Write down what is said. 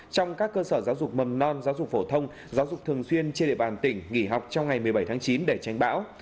trong các cơ sở giáo dục mầm non giáo dục phổ thông giáo dục thường xuyên trên địa bàn tỉnh nghỉ học trong ngày một mươi bảy tháng chín để tránh bão